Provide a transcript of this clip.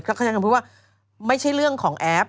เขาไม่พลาดภิงเลย